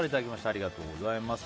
ありがとうございます。